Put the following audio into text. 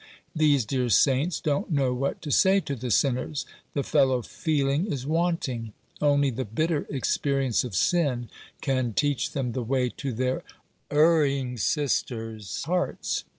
These dear saints don't know what to say to the sinners. The fellow feeling is wanting. Only the bitter experience of sin can teach them the way to their erring sister's hearts."